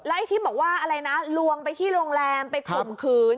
ไอ้ที่บอกว่าอะไรนะลวงไปที่โรงแรมไปข่มขืน